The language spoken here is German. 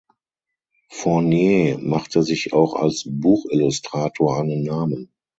Fournier machte sich auch als Buchillustrator einen Namen.